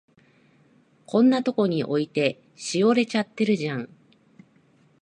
こんなとこに置いて、しおれちゃってるじゃん。